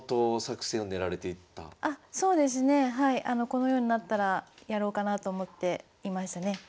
このようになったらやろうかなと思っていましたね。